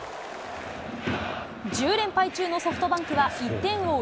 １０連敗中のソフトバンクは１点を追う